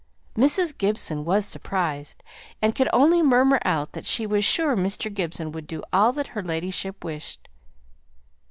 Mrs. Gibson was surprised, and could only murmur out that she was sure Mr. Gibson would do all that her ladyship wished.